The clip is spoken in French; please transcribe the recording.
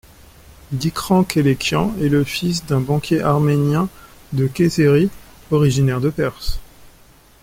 Dikran Kélékian est le fils d'un banquier arménien de Kayseri originaire de Perse.